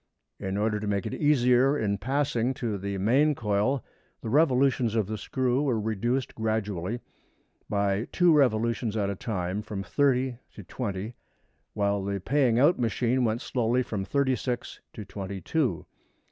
In order to make it easier in passing to the main coil the revolutions of the screw were reduced gradually, by two revolutions at a time from thirty to twenty, while the paying out machine went slowly from thirty six to twenty two.